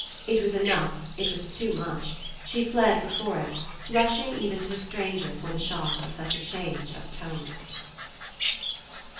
It was enough, it was too much: she fled before it, rushing even to a stranger for the shock of such a change of tone.